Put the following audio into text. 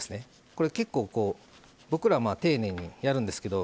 これ、結構僕らは丁寧にやるんですけど。